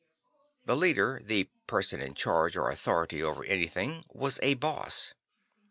The leader, the person in charge or authority over anything, was a "boss."